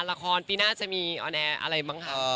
ละครปีหน้าจะมีออนแอร์อะไรมั้งคะ